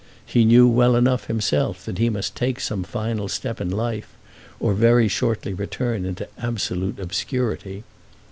He knew well enough himself that he must take some final step in life, or very shortly return into absolute obscurity.